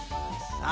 さあ